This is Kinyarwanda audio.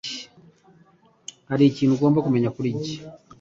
hari ikintu ugomba kumenya kuri njye.